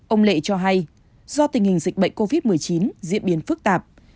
ông lệ cho hay do tình hình dịch bệnh covid một mươi chín diễn biến phức tạp